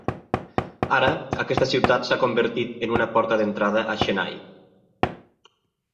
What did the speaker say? Ara, aquesta ciutat s'ha convertit en una porta d'entrada a Chennai.